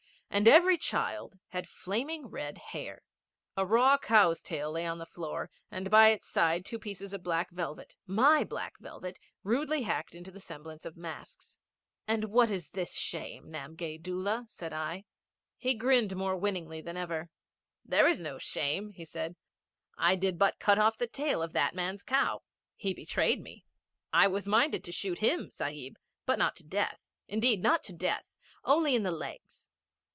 And every child had flaming red hair. A raw cow's tail lay on the floor, and by its side two pieces of black velvet my black velvet rudely hacked into the semblance of masks. 'And what is this shame, Namgay Doola?' said I. He grinned more winningly than ever. 'There is no shame,' said he. 'I did but cut off the tail of that man's cow. He betrayed me. I was minded to shoot him, Sahib. But not to death. Indeed not to death. Only in the legs.'